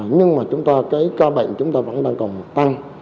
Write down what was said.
nhưng mà cái ca bệnh chúng ta vẫn đang còn tăng